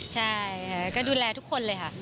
ใช่ค่ะก็ดูแลทุกคนเลยค่ะ